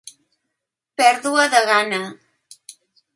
Pèrdua de gana.